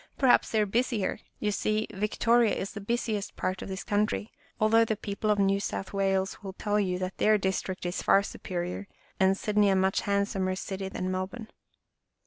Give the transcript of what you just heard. " Perhaps they are busier. You see Victoria is the busiest part of this country, al though the people of New South Wales will tell " Land !" 5 you that their district is far superior and Sydney a much handsomer city than Melbourne."